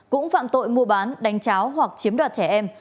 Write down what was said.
cũng phạm tội mua bán đánh cháo hoặc chiếm đoạt trẻ em